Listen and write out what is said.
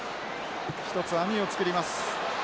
一つ網を作ります。